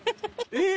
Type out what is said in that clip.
えっ！